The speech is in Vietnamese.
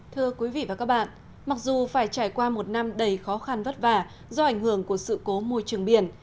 thưa quý vị và các bạn mặc dù phải trải qua một năm đầy khó khăn vất vả do ảnh hưởng của sự cố môi trường biển